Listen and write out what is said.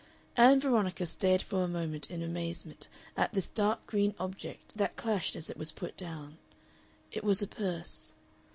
Ann Veronica stared for a moment in amazement at this dark green object that clashed as it was put down. It was a purse.